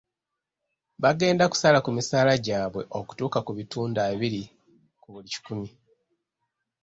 Bagenda kusala ku misaala gyabwe okutuuka ku bitundu abiri ku buli kikumi.